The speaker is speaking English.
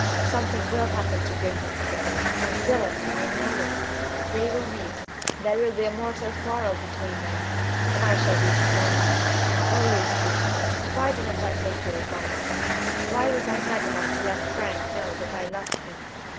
"Something will happen to bring them together. I feel it! I know it! They will meet there will be a mortal quarrel between them and I shall be to blame. Oh, Lucy! why didn't I take your advice? Why was I mad enough to let Frank know that I loved him?